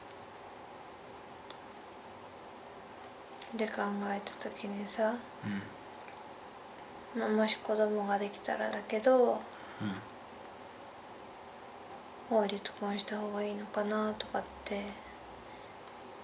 で考えた時にさもし子どもができたらだけど法律婚した方がいいのかなとかって考えた時期もあった。